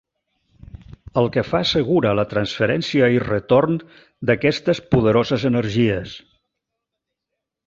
El que fa segura la transferència i retorn d'aquestes poderoses energies.